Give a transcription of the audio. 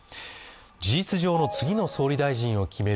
事実上の次の総理大臣を決める